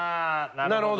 なるほど。